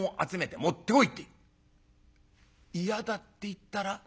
「嫌だって言ったら？」。